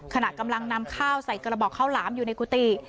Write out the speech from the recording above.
ขณะกำลังนำข้าวใส่กระบอกข้าวหลามอยู่ในกุฏิ